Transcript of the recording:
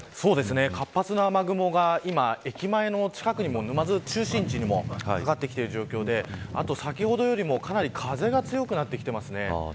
活発な雨雲が、今、駅前の近くにも沼津中心地にもかかっている状況で先ほどよりもかなり風が強くなってきてますね。